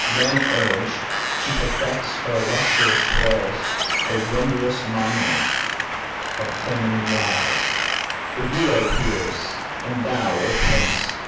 Then urged, she perfects her illustrious toils; A wondrous monument of female wiles! "But you, O peers! and thou, O prince!